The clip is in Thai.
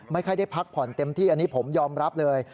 ไม่ค่อยได้พักผ่อนเต็มที่อันนี้ผมยอมรับเลย